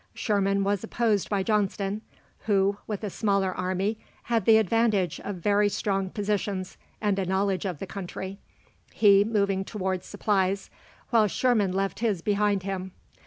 Sherman was opposed by Johnston, who, with a smaller army, had the advantage of very strong positions and a knowledge of the country, he moving towards supplies, while Sherman left his behind him.